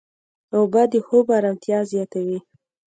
اوبه د خوب ارامتیا زیاتوي.